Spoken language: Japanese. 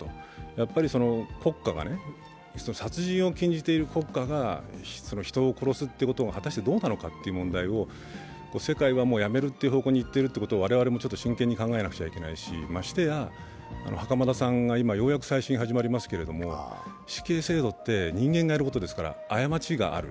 やはり殺人を禁じている国家が人を殺すということは果たしてどうなのかということを、世界はやめるという方向にいっているということを我々は考えないといけませんし、ましてや、袴田さんもようやく再審が始まりますけれども人間がやることですから、過ちがある。